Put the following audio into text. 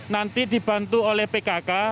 nanti dibantu oleh pkk